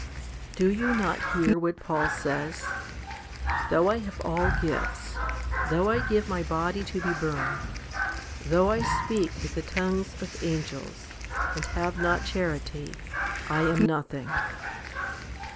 1 6. Do you not hear what Paul says, "Though I have 1 Eph. vi. 16. HOMILY XXVI 193 all gifts, though I give my body to be burned, though I speak with the tongues of angels, and have not charity, I am nothing.